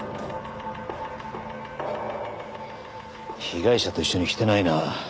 被害者と一緒に来てないな。